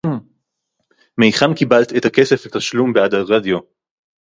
מֵהֵיכָן קִיבַּלְתָּ אֶת הַכֶּסֶף לְתַשְׁלוּם בְּעַד הָרַדְיוֹ?